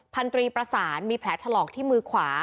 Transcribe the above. พันตรีประสานมีแผลถลอกที่มือขวา